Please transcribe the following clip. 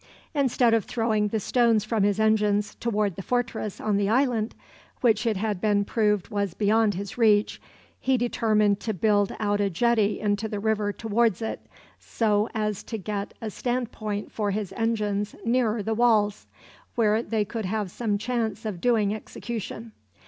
Instead of throwing the stones from his engines toward the fortress on the island, which it had been proved was beyond his reach, he determined to build out a jetty into the river toward it, so as to get a stand point for his engines nearer the walls, where they could have some chance of doing execution.